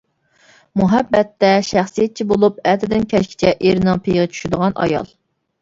مۇھەببەتتە شەخسىيەتچى بولۇپ، ئەتىدىن كەچكىچە ئېرىنىڭ پېيىگە چۈشىدىغان ئايال.